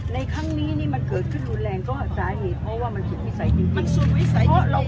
ในครั้งนี้นี่มันเกิดขึ้นรุนแรงก็สาเหตุเพราะว่ามันผิดวิสัยจริงจริงมันสูญวิสัยจริงจริง